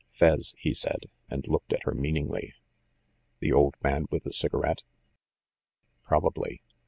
"Fez," he said, and looked at her meaningly. "The old man with the cigarette?" "Probably.